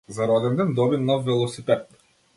За роденден доби нов велосипед.